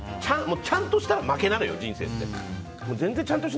ちゃんとしたら負けなのよ、人生。